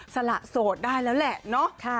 สละโสดได้แล้วแหละเนาะ